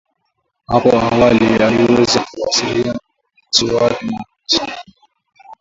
Hapo awali, aliweza kuwasiliana na watu wake Mombasa